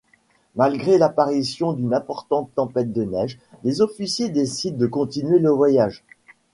Malgré l'apparition d'une importante tempête de neige, les officiers décident de continuer le voyage.